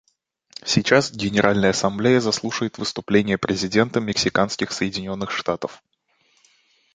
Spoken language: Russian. Сейчас Генеральная Ассамблея заслушает выступление президента Мексиканских Соединенных Штатов.